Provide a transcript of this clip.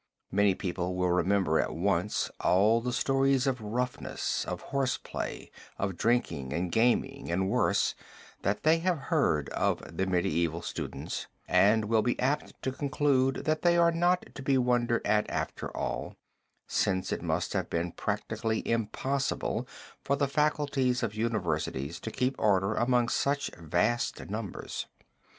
Most people will remember at once all the stories of roughness, of horse play, of drinking and gaming or worse that they have heard of the medieval students and will be apt to conclude that they are not to be wondered at after all, since it must have been practically impossible for the faculties of universities to keep order among such vast numbers.